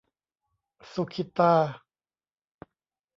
สุขิตา